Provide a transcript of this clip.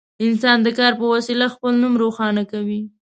انسان د کار په وسیله خپل نوم روښانه کوي.